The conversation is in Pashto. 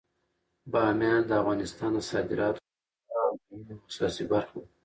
بامیان د افغانستان د صادراتو یوه خورا مهمه او اساسي برخه ده.